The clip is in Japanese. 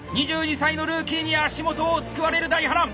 ２２歳のルーキーに足元を救われる大波乱！